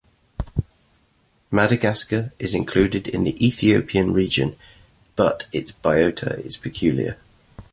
Madagascar is included in the Ethiopian Region, but its biota is peculiar.